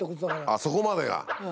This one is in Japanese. あっそこまでが。